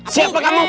semua kerenet gat